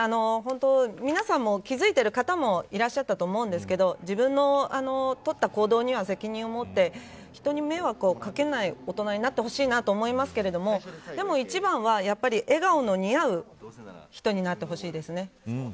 皆さんも気付いてる方もいらっしゃったと思うんですけど自分のとった行動には責任をもって人に迷惑をかけない大人になってほしいなと思いますけれどもでも一番はやっぱり笑顔の似合う人になってほしいですね。